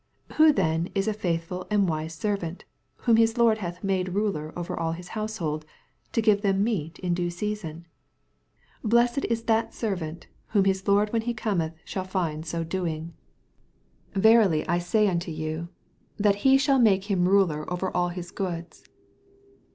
45 Who then is a faithfhl and wise servant, whom his lord bath made ruler over his househcld, to give them meat in due season ? 46 Blessed is that servant whom hit lord when he cometh shall find to doing. 326 VXPOSITOBT THOUGHTS. \ 47 Verily I mj unto 70a, Tluit he fthall make him mlor over all his goods.